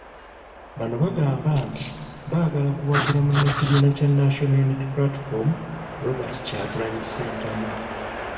Bano bagamba nti, baagala kuwagira munnakibiina kya National Unity Platform , Robert Kyagulanyi Ssentamu.